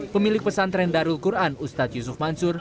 pemilik pesantren darul quran ustadz yusuf mansur